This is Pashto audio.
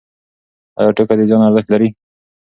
ایا ټوکه د زیان ارزښت لري؟